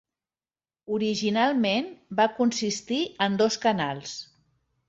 Originalment va consistir en dos canals.